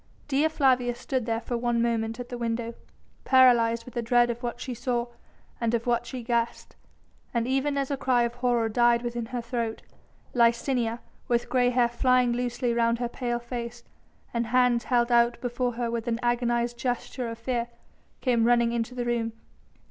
Dea Flavia stood there for one moment at the window, paralysed with the dread of what she saw and of what she guessed, and even as a cry of horror died within her throat, Licinia, with grey hair flying loosely round her pale face, and hands held out before her with an agonised gesture of fear, came running into the room.